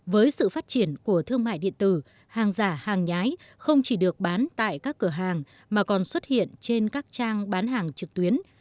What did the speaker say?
với sự phát triển của thương mại điện tử hàng giả hàng nhái không chỉ được bán tại các cửa hàng mà còn xuất hiện trên các trang bán hàng trực tuyến